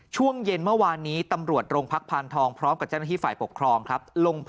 ช่วงเย็นเมื่อวานนี้ตำรวจโรงพักพานทองพร้อมกับเจ้าหน้าที่ฝ่ายปกครองครับ